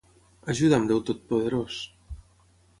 Ajuda'm Déu totpoderós.